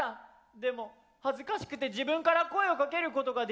でも恥ずかしくて自分から声をかけることができなかった。